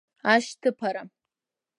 Ашьҭыԥара…